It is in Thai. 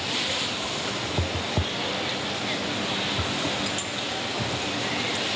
ดินปากนะคะ